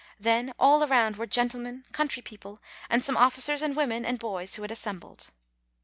Then all around were gentle men, country people, and some officers and women and boys who had assembled.